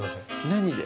何で？